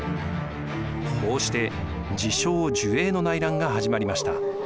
こうして治承・寿永の内乱が始まりました。